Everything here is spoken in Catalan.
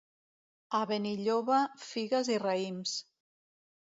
A Benilloba, figues i raïms.